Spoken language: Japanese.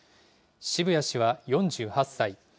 渋谷氏は４８歳。